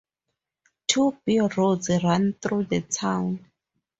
Two B roads run through the town.